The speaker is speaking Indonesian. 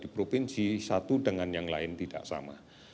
di provinsi satu dengan yang lain tidak sama